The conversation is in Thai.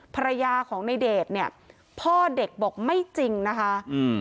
ภรรยาของในเดชเนี่ยพ่อเด็กบอกไม่จริงนะคะอืม